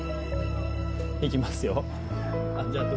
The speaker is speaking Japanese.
いきますよあっ